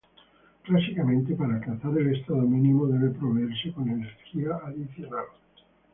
Clásicamente, para alcanzar el estado mínimo, debe proveerse con energía adicional.